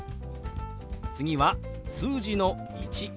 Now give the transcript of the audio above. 次は数字の「１」。